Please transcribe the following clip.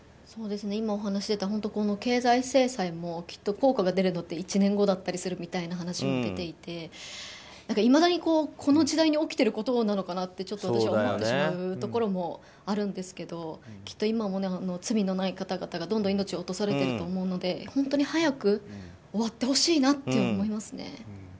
今、お話に出た経済制裁もきっと効果が出るのって１年後だったりするみたいな話も出ていていまだに、この時代に起きていることなのかなってちょっと私は思ってしまうところもあるんですがきっと今も罪のない方々がどんどん命を落とされてると思うので本当に早く終わってほしいなと思いますね。